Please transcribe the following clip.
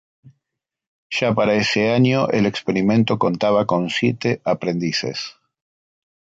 Ya para ese año el experimento contaba con siete aprendices.